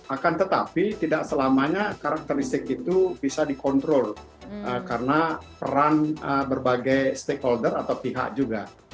akan tetapi tidak selamanya karakteristik itu bisa dikontrol karena peran berbagai stakeholder atau pihak juga